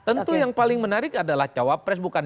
tentu yang paling menarik adalah cawapres bukan